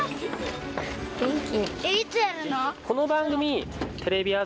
「元気」